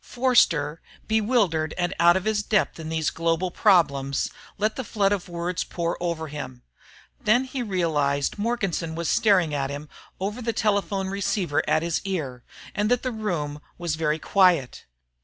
Forster, bewildered and out of his depth in these global problems, let the flood of words pour over him. Then he realized that Morganson was staring at him over the telephone receiver at his ear, and that the room was very quiet.